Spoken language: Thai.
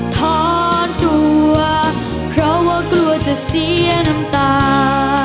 ถอนตัวเพราะว่ากลัวจะเสียน้ำตา